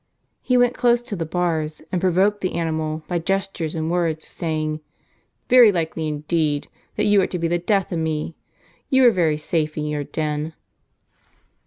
He went close to the bars, and provoked the animal, by gestures and words ; saying: "Very likely, indeed, that you are to be the death of me ! Tou are very safe in your den."